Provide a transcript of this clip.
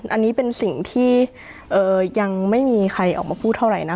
อันนี้เป็นสิ่งที่ยังไม่มีใครออกมาพูดเท่าไหร่นะ